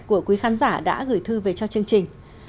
của quý khán giả đã gửi thư về cho chương trình